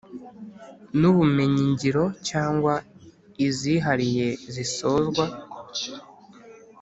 N ubumenyingiro cyangwa izihariye zisozwa